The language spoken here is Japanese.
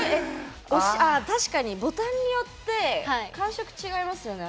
確かにボタンによって感触違いますよね。